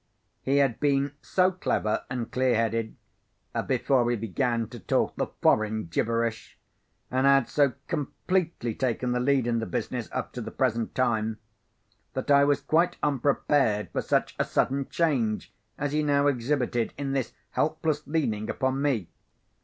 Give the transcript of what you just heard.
He had been so clever, and clear headed (before he began to talk the foreign gibberish), and had so completely taken the lead in the business up to the present time, that I was quite unprepared for such a sudden change as he now exhibited in this helpless leaning upon me.